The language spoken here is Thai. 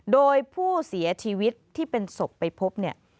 โดยผู้เสียชีวิตที่เป็นศพไปพบเนี่ย